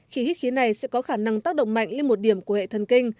khí hít khí này sẽ có khả năng tác động mạnh lên một điểm của hệ thần kinh